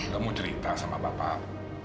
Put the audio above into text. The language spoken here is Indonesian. kamu cerita sama bapak